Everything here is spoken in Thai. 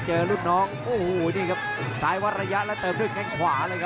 ซักสีทธิ์เจอลูกน้องศักดิ์สิทธิ์สายวรรยะแล้วเติมด้วยแค่ขวาเลยครับ